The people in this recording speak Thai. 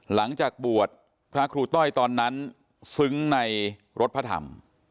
หลังจากบวชพระครูต้อยตอนนั้นซึ้งในรถพระธรรม